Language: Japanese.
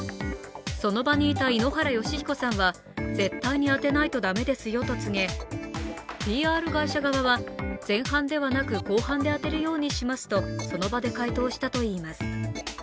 その場にいた井ノ原快彦さんは絶対に当てないと駄目ですよと告げＰＲ会社側は、前半ではなく後半で当てるようにしますとその場で回答したといいます。